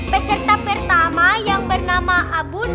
peserta pertama yang bernama abun